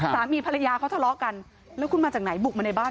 สามีภรรยาเขาทะเลาะกันแล้วคุณมาจากไหนบุกมาในบ้าน